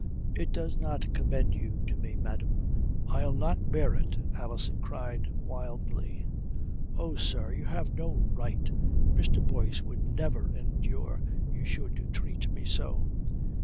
It does not commend you to me, madame." "I'll not bear it," Alison cried wildly. "Oh, sir, you have no right. Mr. Boyce would never endure you should treat me so."